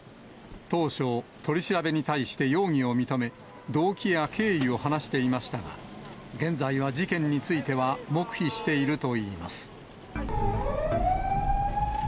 当初、取り調べに対して容疑を認め、動機や経緯を話していましたが、現在は事件については黙秘しているといいます。